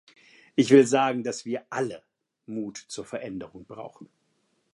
Ich will sagen, dass wir alle Mut zur Veränderung brauchen.